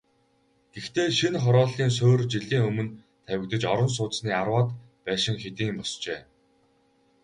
Гэхдээ шинэ хорооллын суурь жилийн өмнө тавигдаж, орон сууцны арваад байшин хэдийн босжээ.